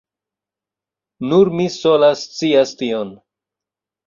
Nur mi sola scias tion.